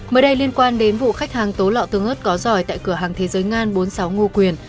mới đây liên quan đến vụ khách hàng tố lọ tương ớt có giỏi tại cửa hàng thế giới ngan bốn mươi sáu ngô quyền